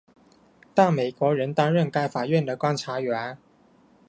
但美国仍担任该法院的观察员。